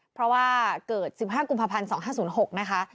เพราะว่าเกิด๑๕กุมภาพันธ์๒๕๐๖นะคะ